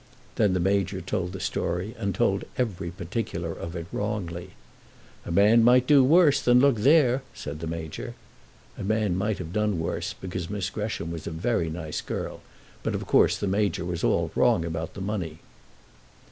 Then the Major told the story, and told every particular of it wrongly. "A man might do worse than look there," said the Major. A man might have done worse, because Miss Gresham was a very nice girl; but of course the Major was all wrong about the money.